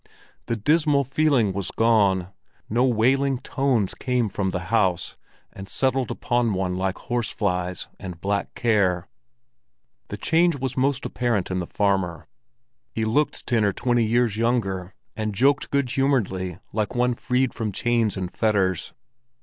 The dismal feeling was gone; no wailing tones came from the house and settled upon one like horse flies and black care. The change was most apparent in the farmer. He looked ten or twenty years younger, and joked good humoredly like one freed from chains and fetters.